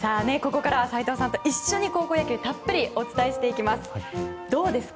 ここからは斎藤さんと一緒に高校野球たっぷりお伝えしていきます。